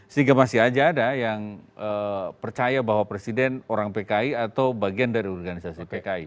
sehingga masih aja ada yang percaya bahwa presiden orang pki atau bagian dari organisasi pki